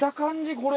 これ。